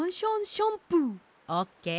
オッケー。